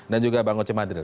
dan juga bang ocema hadril